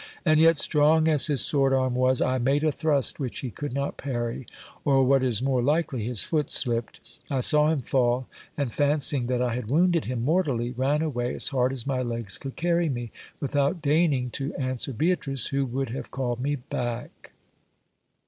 And yet, strong as his sword arm was, I made a thrust which he could not parry, or what is more likely, his foot slipped : I saw him fall ; and fancying that I had wounded him mortally, ran away as hard as my legs could carry me, without deigning to an swer Beatrice, who would have called me back.